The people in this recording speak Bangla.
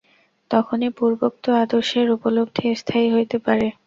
তখনই পূর্বোক্ত আদর্শের উপলব্ধি স্থায়ী হইতে পারে।